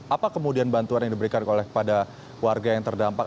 apa kemudian bantuan yang diberikan oleh kepada warga yang terdampak